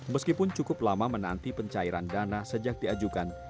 meskipun cukup lama menanti pencairan dana sejak diajukan